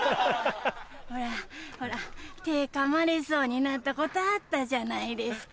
ほらほら手噛まれそうになったことあったじゃないですか。